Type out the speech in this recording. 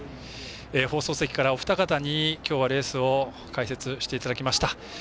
放送席からお二方にきょうはレースを解説していただきました。